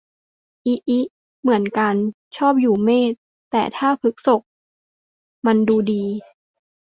อิอิ เหมือนกัน ชอบอยู่เมษ แต่ถ้าพฤษกมันดูดี